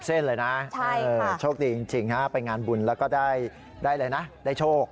เส้นเลยนะโชคดีจริงฮะไปงานบุญแล้วก็ได้อะไรนะได้โชค